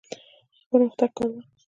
د پرمختګ کاروان.